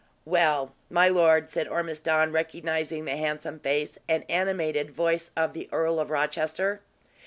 "Well, my lord," said Ormiston, recognizing the handsome face and animated voice of the Earl of Rochester.